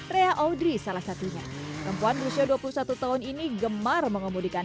rea audrey salah satunya perempuan berusia dua puluh satu tahun ini gemar mengemudikan